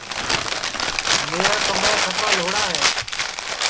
میرا کمرا سپا لھوڑا ہے